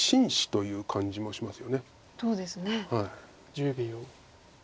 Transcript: １０秒。